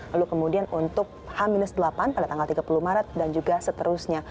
lalu kemudian untuk h delapan pada tanggal tiga puluh maret dan juga seterusnya